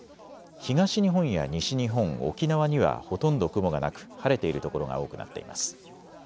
東日本や西日本、沖縄にはほとんど雲がなく晴れている所が多くなっています。